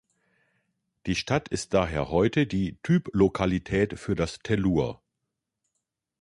Die Stadt ist daher heute die Typlokalität für das Tellur.